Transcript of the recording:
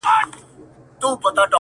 • لا تیاره وه په اوږو یې ساه شړله,